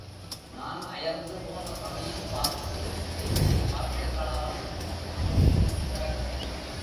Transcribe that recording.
நான் அயர்ந்து போன சமயம் பார்த்து, என்னை வார்த்தைகளால் கட்டுப்படுத்திவிட்டாய்.